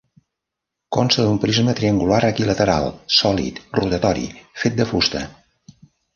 Consta d'un prisma triangular equilateral sòlid rotatori fet de fusta.